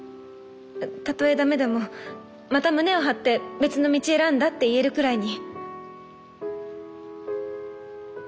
たとえダメでもまた胸を張って別の道選んだって言えるくらいに。